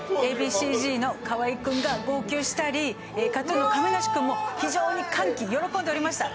Ａ．Ｂ．Ｃ−Ｚの河合君が号泣したり、ＫＡＴ−ＴＵＮの亀梨君も非常に歓喜、喜んでおりました。